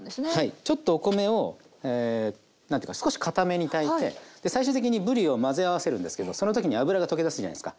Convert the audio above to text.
ちょっとお米を何ていうか少しかために炊いて最終的にぶりを混ぜ合わせるんですけどその時に脂が溶け出すじゃないですか。